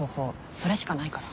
それしかないから。